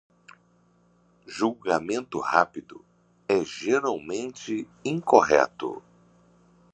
Julgamento rápido é geralmente incorreto.